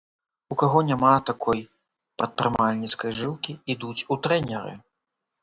У каго няма такой прадпрымальніцкай жылкі, ідуць у трэнеры.